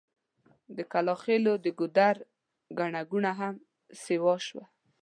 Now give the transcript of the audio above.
د کلاخېلو د ګودر ګڼه ګوڼه هم سيوا شوه.